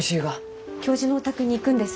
教授のお宅に行くんです。